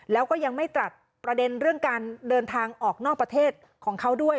แล้วก็ยังไม่ตัดประเด็นเรื่องการเดินทางออกนอกประเทศของเขาด้วย